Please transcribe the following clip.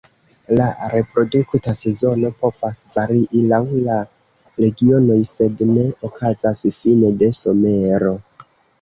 La reprodukta sezono povas varii laŭ la regionoj sed ne okazas fine de somero.